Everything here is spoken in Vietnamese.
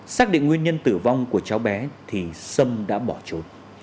xác định nguyên nhân tử vong của cháu bé thì sâm đã bỏ trốn